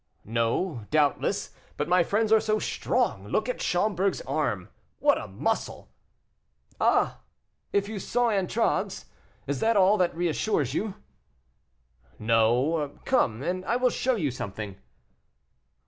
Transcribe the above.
"No, doubtless; but my friends are so strong; look at Schomberg's arm; what muscle!" "Ah! if you saw Autragues's! Is that all that reassures you?" "No; come, and I will show you something."